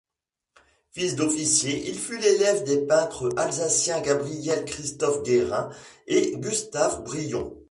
Fils d'officier, il fut l'élève des peintres alsaciens Gabriel-Christophe Guérin et Gustave Brion.